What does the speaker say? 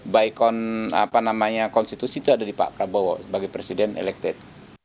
baikon konstitusi itu ada di pak prabowo sebagai presiden elekted